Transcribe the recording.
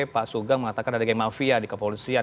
pak sugang mengatakan ada game mafia di kepolisian